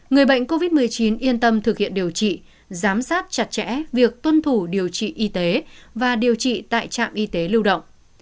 người bệnh covid một mươi chín yên tâm thực hiện điều trị giám sát chặt chẽ việc tuân thủ điều trị y tế và điều trị tại trạm y tế lưu động